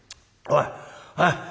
おい！